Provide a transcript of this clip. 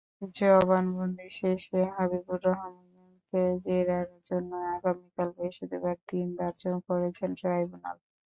জবানবন্দি শেষে হাবিবুর রহমানকে জেরার জন্য আগামীকাল বৃহস্পতিবার দিন ধার্য করেছেন ট্রাইব্যুনাল।